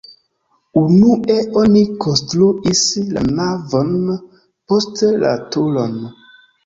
Unue oni konstruis la navon, poste la turon.